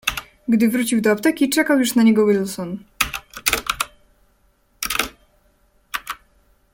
"Gdy wrócił do apteki, czekał już na niego Wilson."